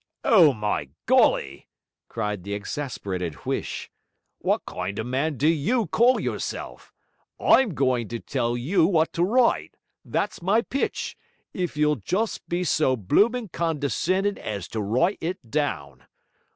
'O my golly!' cried the exasperated Huish. 'Wot kind of man do YOU call yourself? I'M goin' to tell you wot to write; that's my pitch; if you'll just be so bloomin' condescendin' as to write it down!